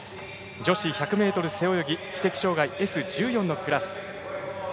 女子１００ｍ背泳ぎ知的障がいＳ１４のクラス。